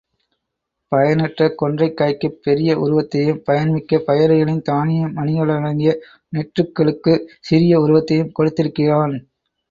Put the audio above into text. பயனற்ற கொன்றைக் காய்க்குப் பெரிய உருவத்தையும் பயன் மிக்க பயறுகளின் தானிய மணிகளடங்கிய நெற்றுக்களுக்குச் சிறிய உருவத்தையும் கொடுத்திருக்கிறான்.